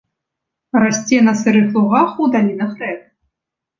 Расце на сырых лугах у далінах рэк.